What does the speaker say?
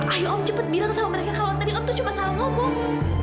ayo om cepat bilang sama mereka kalau tadi om tuh cuma salah ngomong om